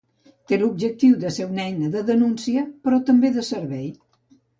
Té l'objectiu de ser una eina de denúncia, però també de servei.